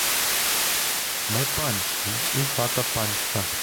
Ми панські — і хата панська.